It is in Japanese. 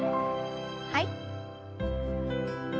はい。